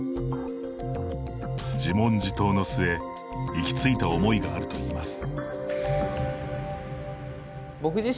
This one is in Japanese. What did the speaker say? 自問自答の末行き着いた思いがあるといいます。